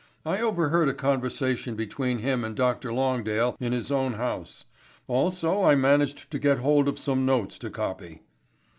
"I overheard a conversation between him and Doctor Longdale in his own house. Also I managed to get hold of some notes to copy."